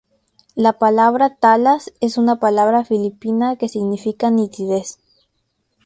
La palabra Talas es una palabra filipina que significa "nitidez".